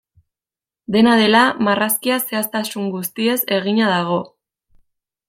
Dena dela, marrazkia zehaztasun guztiez egina dago.